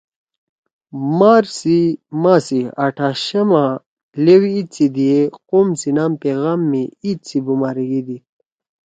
مارچ سی ماہ سی آٹھاشما لیؤ عید سی دی ئے قوم سی نام پیغام می عید سی بُماریِگی دیِد